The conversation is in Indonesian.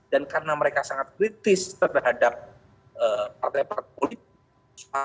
dan karena mereka sangat kritis terhadap partai partai politik